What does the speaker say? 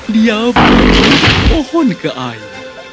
dia menembus pohon ke air